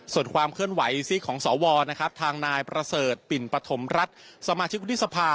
ส่วนความเคลื่อนไหวซีกของสวนะครับทางนายประเสริฐปิ่นปฐมรัฐสมาชิกวุฒิสภา